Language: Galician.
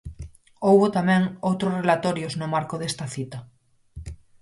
Houbo tamén outros relatorios no marco desta cita.